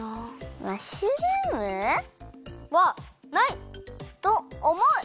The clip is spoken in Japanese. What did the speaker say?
マッシュルーム？はない！とおもう！